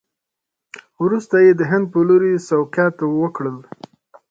وروسته یې د هند په لوري سوقیات وکړل.